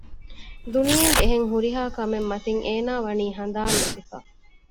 ދުނިޔޭގެ އެހެން ހުރިހާކަމެއް މަތިން އޭނާ ވަނީ ހަނދާން ނެތިފަ